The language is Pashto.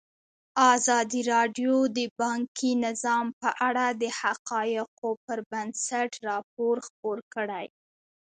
ازادي راډیو د بانکي نظام په اړه د حقایقو پر بنسټ راپور خپور کړی.